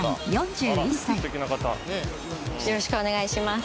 よろしくお願いします。